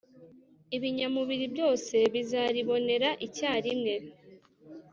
ibinyamubiri byose bizaribonere icyarimwe,